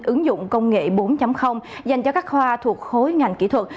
ứng dụng công nghệ bốn dành cho các khoa thuộc khối ngành kỹ thuật